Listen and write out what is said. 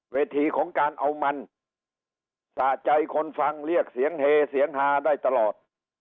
ของการเอามันสะใจคนฟังเรียกเสียงเฮเสียงฮาได้ตลอด